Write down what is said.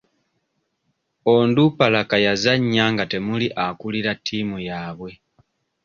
Onduparaka yazannya nga temuli akuulira ttiimu yaabwe.